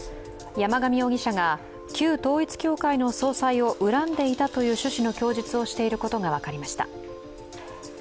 山上容疑者が旧統一教会の総裁を恨んでいたという趣旨の供述をしていることが分かりました。